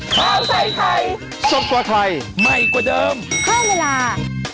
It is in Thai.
ข้าวใส่ไทยสดกว่าไทยใหม่กว่าเดิมเพิ่มเวลา